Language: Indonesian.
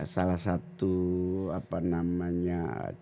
salah satu apa namanya